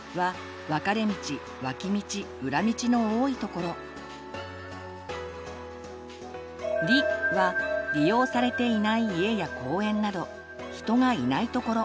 「ま」は「わ」は「り」はりようされていない家や公園など人がいないところ。